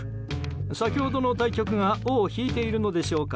先ほどの対局が尾を引いているのでしょうか。